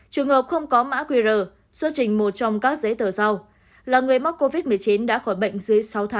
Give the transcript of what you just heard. trường hợp không có mã qr xuất trình một trong các giấy tờ sau là người mắc covid một mươi chín đã khỏi bệnh